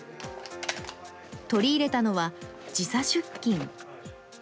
取り入れたのは、時差出勤。